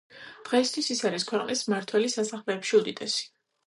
დღეისთვის ის არის ქვეყნის მმართველის სასახლეებში უდიდესი.